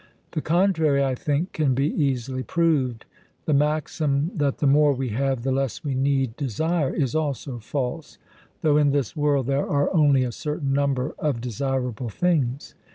"The contrary, I think, can be easily proved. The maxim that the more we have the less we need desire, is also false, though in this world there are only a certain number of desirable things.